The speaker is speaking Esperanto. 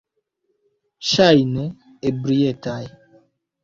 Ŝajne, ebrietaj.